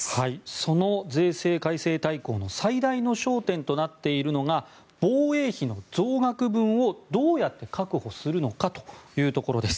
その税制改正大綱の最大の焦点となっているのが防衛費の増額分をどうやって確保するのかというところです。